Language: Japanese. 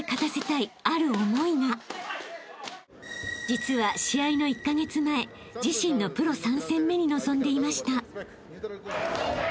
［実は試合の１カ月前自身のプロ３戦目に臨んでいました］